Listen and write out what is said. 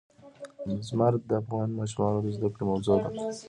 زمرد د افغان ماشومانو د زده کړې موضوع ده.